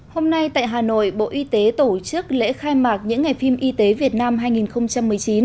hôm nay tại hà nội bộ y tế tổ chức lễ khai mạc những ngày phim y tế việt nam hai nghìn một mươi chín